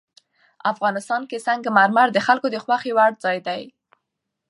افغانستان کې سنگ مرمر د خلکو د خوښې وړ ځای دی.